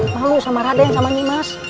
malu sama raden sama nimas